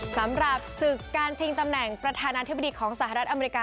สำหรับศึกการชิงตำแหน่งประธานาธิบดีของสหรัฐอเมริกา